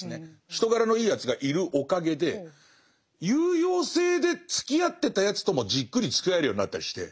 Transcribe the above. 人柄のいいやつがいるおかげで有用性でつきあってたやつともじっくりつきあえるようになったりして。